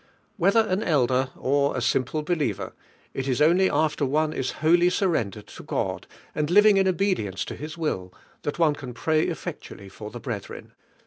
Whether an "elder" ot a simple believer, it is onlj after one is wholly sun hired to Cod and living in obedience to His will, that one can pray DIVINE IIKAUNC. effectually for I In brethren.